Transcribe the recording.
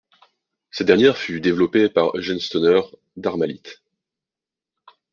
Cette dernière fut développée par Eugene Stoner, d'Armalite.